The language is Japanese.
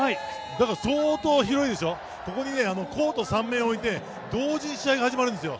だから相当広いですよ、ここにコート３面を置いて同時に試合が始まるんですよ。